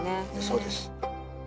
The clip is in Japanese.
そうです。